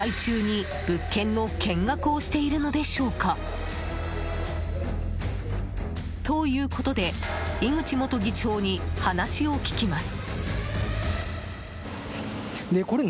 一体、何のために議会中に、物件の見学をしているのでしょうか？ということで井口元議長に話を聞きます。